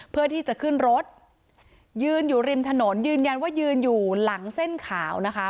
เพื่อที่จะขึ้นรถยืนอยู่ริมถนนยืนยันว่ายืนอยู่หลังเส้นขาวนะคะ